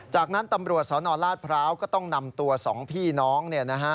จากนั้นตำรวจสนราชพร้าวก็ต้องนำตัว๒พี่น้อง